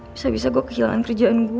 bisa bisa gue kehilangan kerjaan gue